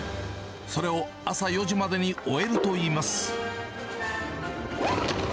それを朝４時までに終えるといいます。